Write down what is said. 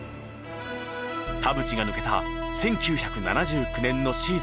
田淵が抜けた１９７９年のシーズン到来。